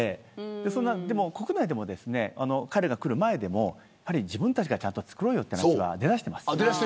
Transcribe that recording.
国内でも、彼が来る前でも自分たちでちゃんと作り出そうという話は出ています。